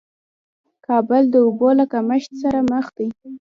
کابل د اوبو له کمښت سره مخ دې